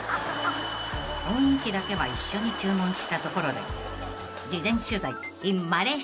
［雰囲気だけは一緒に注文したところで］